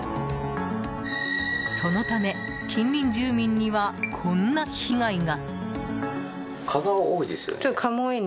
そのため、近隣住民にはこんな被害が。